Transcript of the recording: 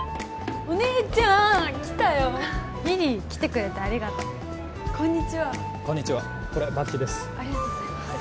お姉ちゃん来たよ依里来てくれてありがとうこんにちはこんにちは